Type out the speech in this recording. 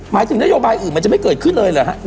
หมายถึงนโยบายอื่นมันจะไม่เกิดขึ้นเลยเหรอฮะ